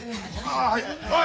ああはい。